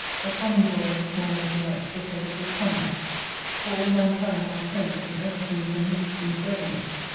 A common joy is more mv delight because it is common. For all mankind are my friends, and everything is enriched in serving them.